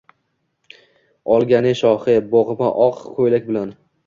Olgane shohi, bo’g’ma oq ko’ylak bilan.